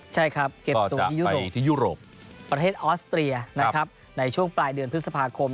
ใช่ครับก็จะไปที่ยุโรปประเทศออสเตรียในช่วงปลายเดือนพฤษภาคม